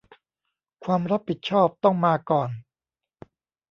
ความรับผิดชอบต้องมาก่อน